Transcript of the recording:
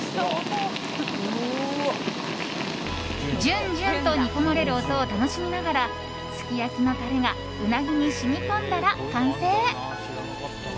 じゅんじゅんと煮込まれる音を楽しみながらすき焼きのタレがうなぎに染み込んだら完成。